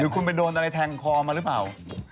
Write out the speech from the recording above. หรือคุณไปโดนอื่นอย่างแตงคอมาหรือเปล่า